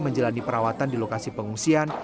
menjalani perawatan di lokasi pengungsian